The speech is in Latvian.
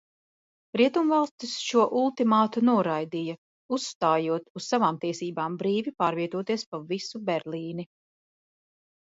Rietumvalstis šo ultimātu noraidīja, uzstājot uz savām tiesībām brīvi pārvietoties pa visu Berlīni.